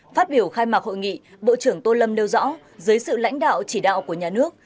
phát biểu khai mạc hội nghị bộ trưởng tô lâm nêu rõ dưới sự lãnh đạo chỉ đạo của nhà nước